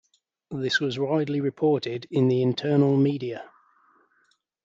This was widely reported in the internal media.